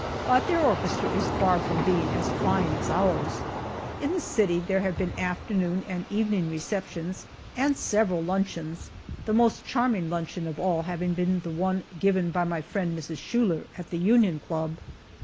But their orchestra is far from being as fine as ours. In the city there have been afternoon and evening receptions, and several luncheons, the most charming luncheon of all having been the one given by my friend, Mrs. Schuyler, at the Union Club.